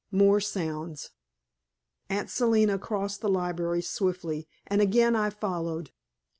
More sounds. Aunt Selina crossed the library swiftly, and again I followed.